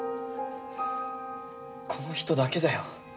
この人だけだよ。